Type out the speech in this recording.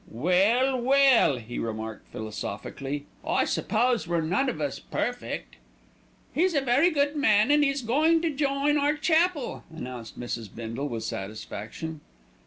"Well, well!" he remarked philosophically, "I suppose we're none of us perfect." "He's a very good man, an' he's goin' to join our chapel," announced Mrs. Bindle with satisfaction.